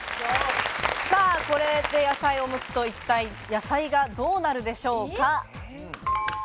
これで野菜をむくと一体野菜がどうなるでしょうか？